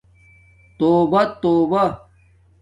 توبہ توبہ